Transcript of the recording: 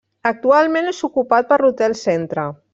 Actualment és ocupat per l'hotel Centre.